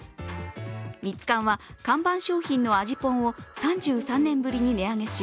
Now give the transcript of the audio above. ミツカンは、看板商品の味ぽんを３３年ぶりに値上げし